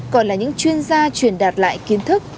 còn là những chuyên gia truyền đạt lại kiến thức